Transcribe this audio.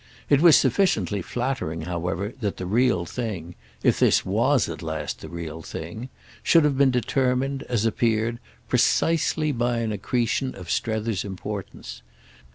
It was sufficiently flattering however that the real thing—if this was at last the real thing—should have been determined, as appeared, precisely by an accretion of Strether's importance.